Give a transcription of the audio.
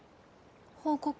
報告？